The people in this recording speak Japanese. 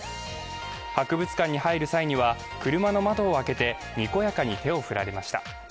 博物館に入る際には、車の窓を開けて、にこやかに手を振られました。